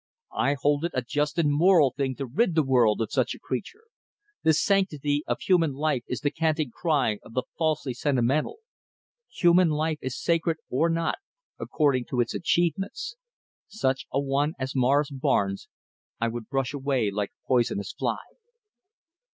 I hold it a just and moral thing to rid the world of such a creature. The sanctity of human life is the canting cry of the falsely sentimental. Human life is sacred or not, according to its achievements. Such a one as Morris Barnes I would brush away like a poisonous fly."